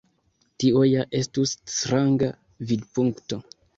Tio ja estus stranga vidpunkto.